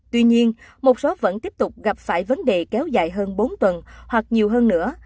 tuy nhiên một số vẫn tiếp tục gặp phải vấn đề kéo dài hơn bốn tuần hoặc nhiều hơn nữa